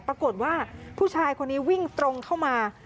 ปรากฏว่าผู้ชายคนนี้วิ่งตรงเข้ามา